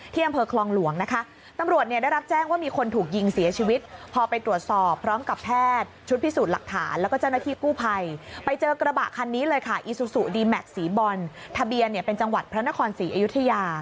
ที่อำเภอคลองหลวงนะคะ